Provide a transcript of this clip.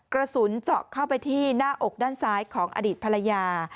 กระสุนเจาะเข้าไปที่หน้าอกด้านซ้ายของอดีตภรรยา